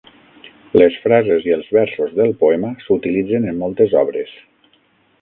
Les frases i els versos del poema s'utilitzen en moltes obres.